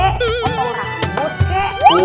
potong rambut kek